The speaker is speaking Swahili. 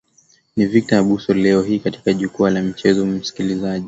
ni victor abuso leo hii katika jukwaa la michezo msikilizaji